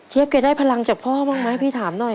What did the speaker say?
แกได้พลังจากพ่อบ้างไหมพี่ถามหน่อย